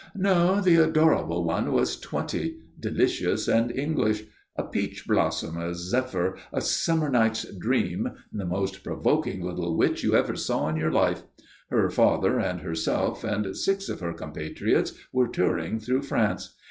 No; the adorable one was twenty delicious and English; a peach blossom, a zephyr, a summer night's dream, and the most provoking little witch you ever saw in your life. Her father and herself and six of her compatriots were touring through France.